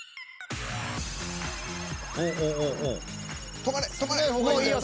止まれ！